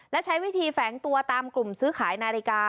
และใช้วิธีแฝงตัวตามกลุ่มซื้อขายนาฬิกา